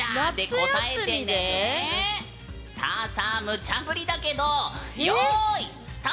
さあさあムチャぶりだけどよいスタート！